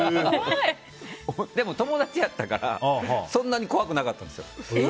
でも、友達やったからそんなに怖くなかったんですよ。